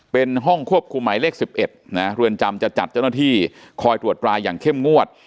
เป็นห้องควบคุมหมายเลข๑๑นะเรือนจำจะจัดเจ้าหน้าที่คอยตรวจรายอย่างเข้มงวด